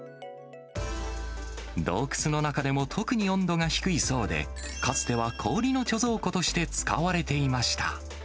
洞窟の中でも特に温度が低いそうで、かつては氷の貯蔵庫として使われていました。